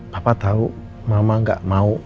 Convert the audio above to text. papa tahu mama gak mau